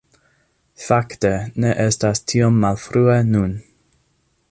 Fakte, ne estas tiom malfrue nun